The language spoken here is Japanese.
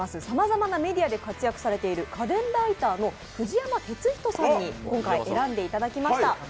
さまざまなメディアで活躍されている家電ライターの藤山哲人さんに今回選んでいただきました。